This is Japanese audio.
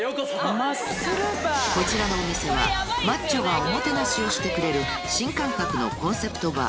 こちらのお店はマッチョがおもてなしをしてくれる新感覚のコンセプトバー